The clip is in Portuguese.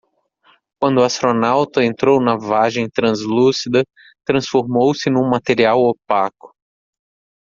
Quando o astronauta entrou na vagem translúcida, transformou-se num material opaco.